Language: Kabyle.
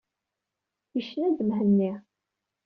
Yecna-d Mhenni.